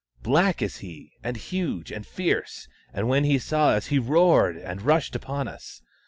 Black is he, and huge, and fierce ; and when he saw us he roared and rushed upon us.